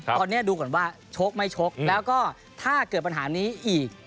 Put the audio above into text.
ตอนนี้ดูก่อนว่าชกไม่ชกแล้วก็ถ้าเกิดปัญหานี้อีก